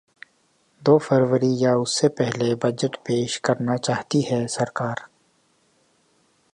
दो फरवरी या उससे पहले बजट पेश करना चाहती है सरकार